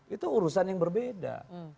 itu urusan yang berbeda